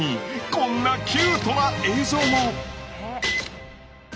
こんなキュートな映像も！